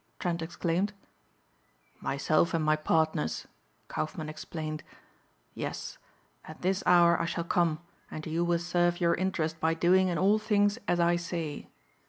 Trent exclaimed. "Myself and my partners," Kaufmann explained. "Yes, at this hour I shall come and you will serve your interest by doing in all things as I say.